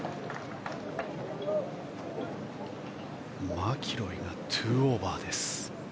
マキロイが２オーバーです。